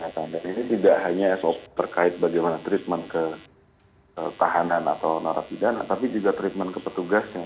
nah ini tidak hanya sop terkait bagaimana treatment ke tahanan atau narapidana tapi juga treatment ke petugasnya